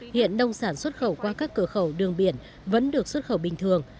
hiện nông sản xuất khẩu qua các cửa khẩu đường biển vẫn được xuất khẩu bình thường